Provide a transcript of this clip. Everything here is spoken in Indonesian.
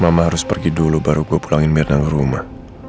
mama harus pergi dulu baru gue pulangin mirna ke rumah